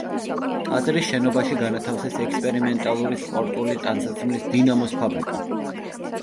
ტაძრის შენობაში განათავსეს ექსპერიმენტალური სპორტული ტანსაცმლის „დინამოს“ ფაბრიკა.